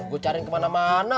gue cari kemana mana